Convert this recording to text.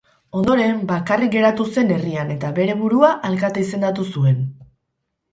Ondoren bakarrik geratu zen herrian eta bere burua alkate izendatu zuen.